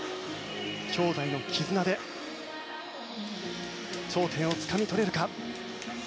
姉弟の絆で頂点をつかみ取れるか。